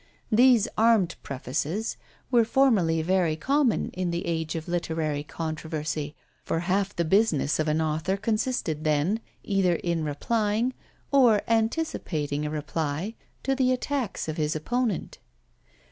These armed prefaces were formerly very common in the age of literary controversy; for half the business of an author consisted then, either in replying, or anticipating a reply, to the attacks of his opponent.